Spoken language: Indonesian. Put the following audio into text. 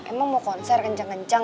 lagi aku mau konser kejam kejam